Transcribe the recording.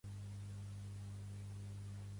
El tinc aquí a prop —insisteix el Riqui—.